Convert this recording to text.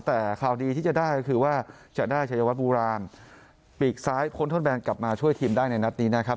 แต่ข่าวดีที่จะได้ก็คือว่าจะได้ชัยวัดโบราณปีกซ้ายพ้นทดแบนกลับมาช่วยทีมได้ในนัดนี้นะครับ